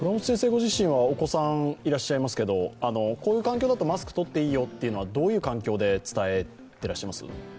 ご自身はお子さん、いらっしゃいますけどこういう環境ならマスク取っていいよというのは、どういう環境で伝えていらっしゃいます？